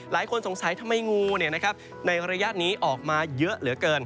หลายคนสงสัยทำไมงูในระยะนี้ออกมาเยอะเหลือเกิน